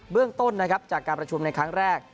เบื้องต้นจากการประชุมในครั้งแรก